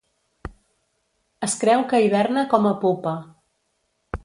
Es creu que hiberna com a pupa.